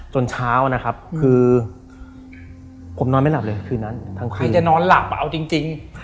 เช้านะครับคือผมนอนไม่หลับเลยคืนนั้นใครจะนอนหลับเอาจริง